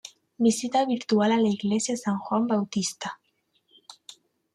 Visita virtual a la Iglesia San Juan Bautista